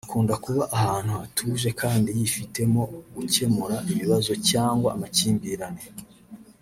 akunda kuba ahantu batuje kandi yifitemo gukemura ibibazo cyangwa amakimbirane